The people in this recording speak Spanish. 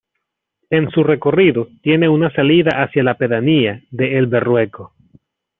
En su recorrido tiene una salida hacia la pedanía de El Berrueco.